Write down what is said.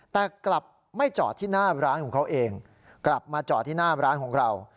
แต่กลับไม่จอดที่หน้าร้านของเขาเองกลับมาจอดที่หน้าร้านของเรา